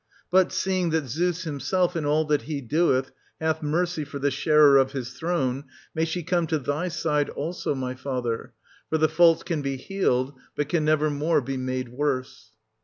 But, seeing that Zeus himself, in all that he doeth, hath Mercy for the sharer of his throne, may she come to thy side also, my father; for the faults 1270 can be healed, but can never more be made worse.